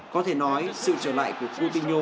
có thể nói sự trở lại của coutinho